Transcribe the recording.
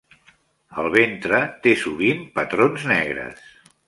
El ventre té sovint patrons negres.